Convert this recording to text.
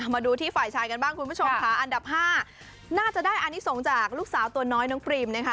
มาดูที่ฝ่ายชายกันบ้างคุณผู้ชมค่ะอันดับ๕น่าจะได้อันนี้ส่งจากลูกสาวตัวน้อยน้องปรีมนะคะ